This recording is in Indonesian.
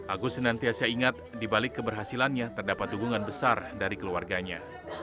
agus senantiasa ingat dibalik keberhasilannya terdapat dukungan besar dari keluarganya